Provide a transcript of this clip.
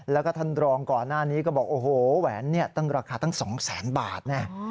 แล้วก็ท่านรองก่อนหน้านี้ก็บอกโอ้โหแหวนเนี่ยตั้งราคาตั้ง๒แสนบาทนะ